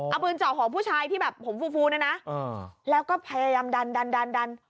เอาปืนเจาะหัวผู้ชายที่แบบผมฟูฟูนะนะแล้วก็พยายามดันดันดัน